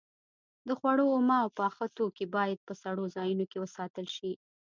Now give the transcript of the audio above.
د خوړو اومه او پاخه توکي باید په سړو ځایونو کې وساتل شي.